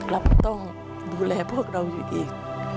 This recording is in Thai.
เราต้องดูแลพวกเราอยู่อีก